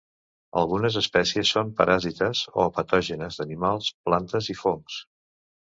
Algunes espècies són paràsites o patògenes d'animals, plantes i fongs.